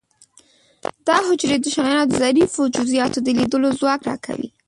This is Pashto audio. دا حجرې د شیانو د ظریفو جزئیاتو د لیدلو ځواک را کوي.